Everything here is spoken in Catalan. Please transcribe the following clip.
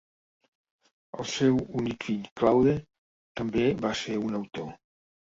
El seu únic fill Claude també va ser un autor.